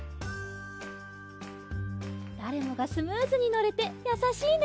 だれもがスムーズにのれてやさしいね。